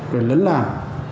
rồi lấn làm